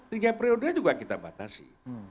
tiga periode juga kita batasi